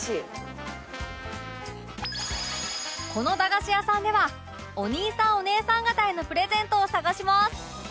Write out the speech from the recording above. この駄菓子屋さんではお兄さんお姉さん方へのプレゼントを探します